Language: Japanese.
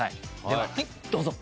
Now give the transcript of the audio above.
ではどうぞ。